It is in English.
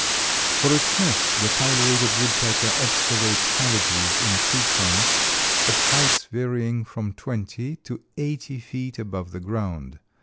For its nest the Pileated Woodpecker excavates cavities in tree trunks at heights varying from twenty to eighty feet above the ground.